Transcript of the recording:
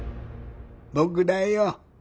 僕だよ。